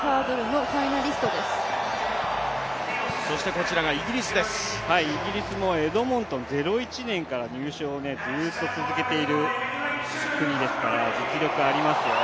前回大会７位ですね、イギリスもエドモントン０１年から入賞をずっと続けている国ですからね、実力ありますよ。